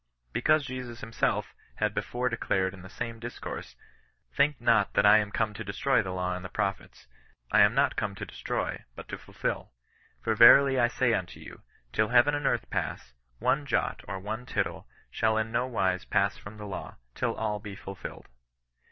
Because Jesus himself had before declared in the same discourse :—^^ Think not that I am come to destroy the law and the prophets : I am not come to destroy, but to fulfil. For verily I say unto you, till heaven and earth pass, one jot or one tittle shall in no wise pass from the law, till all be fulfilled.